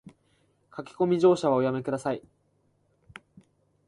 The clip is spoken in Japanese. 駆け込み乗車はおやめ下さい